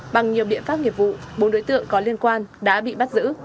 bằng nhiều biện pháp nghiệp vụ bốn đối tượng có liên quan đã bị bắt giữ